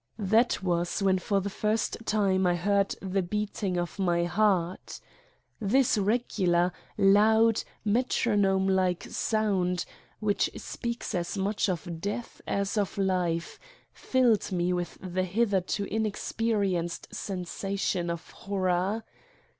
That was when for the first time I heard the beating of My heart. This regu lar, loud, metronome like sound, which speaks as much of death as of life, filled me with the hitherto inexperienced sensation of horror.